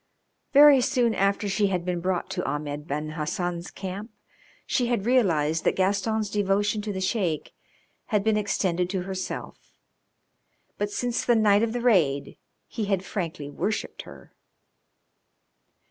Very soon after she had been brought to Ahmed Ben Hassan's camp she had realised that Gaston's devotion to the Sheik had been extended to herself, but since the night of the raid he had frankly worshipped her.